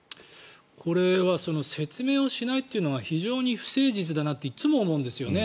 これは説明をしないというのが非常に不誠実だなっていつも思うんですよね。